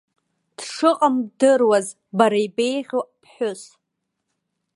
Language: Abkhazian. Дшыҟам бдыруаз бара ибеиӷьу ԥҳәыс.